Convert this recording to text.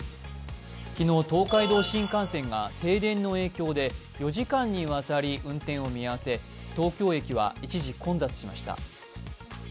昨日、東海道新幹線が停電の影響で４時間にわたり運転を見合わせ、東京駅は一時、混雑しました。